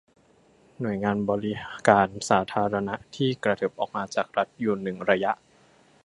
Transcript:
หน่วยงานบริการสาธารณะที่กระเถิบออกมาจากรัฐอยู่หนึ่งระยะ